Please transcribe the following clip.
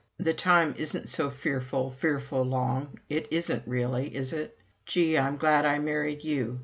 _ the time isn't so fearful, fearful long, it isn't really, is it? Gee! I'm glad I married you.